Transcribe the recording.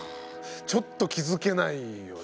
ちょっと気付けないよね。